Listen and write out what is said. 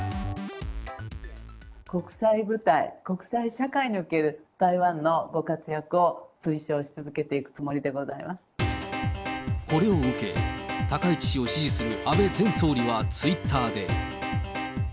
国際舞台、国際社会における台湾のご活躍を推奨し続けていくつもりでございこれを受け、高市氏を支持する安倍前総理はツイッターで。